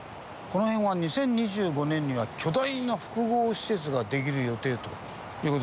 この辺は２０２５年には巨大な複合施設ができる予定という事になっております。